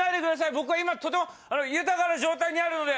僕は今とても豊かな状態にあるので。